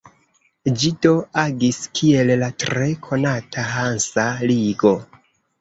Ĝi do agis kiel la tre konata Hansa ligo.